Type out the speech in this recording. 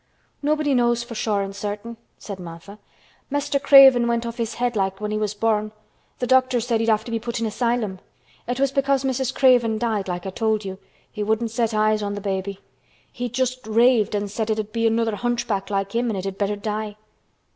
"Nobody knows for sure and certain," said Martha. "Mr. Craven went off his head like when he was born. Th' doctors thought he'd have to be put in a 'sylum. It was because Mrs. Craven died like I told you. He wouldn't set eyes on th' baby. He just raved and said it'd be another hunchback like him and it'd better die."